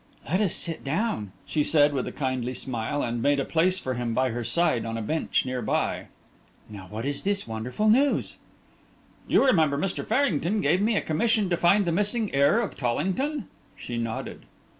"Let us sit down," she said, with a kindly smile, and made a place for him by her side on a bench near by. "Now, what is this wonderful news?" "You remember Mr. Farrington gave me a commission to find the missing heir of Tollington?" She nodded.